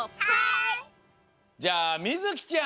じゃあみずきちゃん。